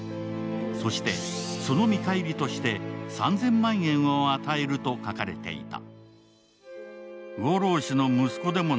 そして、その見返りとして３０００万円を与えると書かれていた。